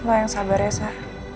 lo yang sabar ya sal